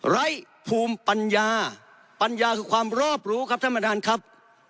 ไร้ภูมิปัญญาปัญญาคือความรอบรู้ครับท่านประธานครับ